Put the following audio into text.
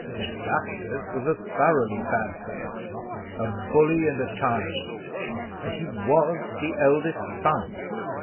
Augustus was a thoroughly bad fellow, a bully and a tyrant; but he was the eldest son.